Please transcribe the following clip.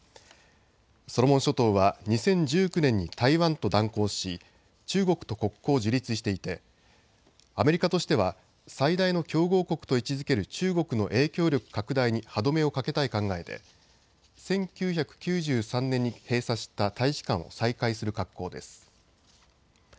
ソロモン諸島は２０１９年に台湾と断交し中国と国交を樹立していてアメリカとしては最大の競合国と位置づける中国の影響力拡大に歯止めをかけたい考えで１９９３年に閉鎖した大使館を再開する格好です。